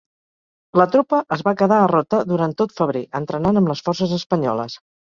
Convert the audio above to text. La tropa es va quedar a Rota durant tot febrer, entrenant amb les forces espanyoles.